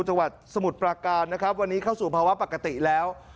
จังหวัดสมุดปราการวันนี้เข้าสู่ภาวะปกติแล้ว